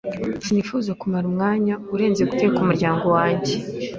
Sinifuzaga kumara umwanya urenze guteka umuryango wanjye.